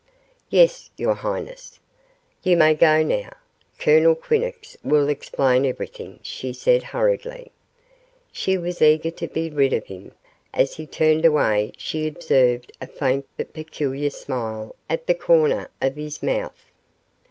"Yes, your highness." "You may go now. Colonel Quinnox will explain everything," she said hurriedly. She was eager to be rid of him. As he turned away she observed a faint but peculiar smile at the corner of his mouth.